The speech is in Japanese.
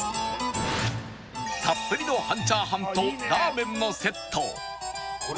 たっぷりの半チャーハンとラーメンのセット